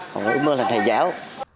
hoặc là ước mơ là thầy giáo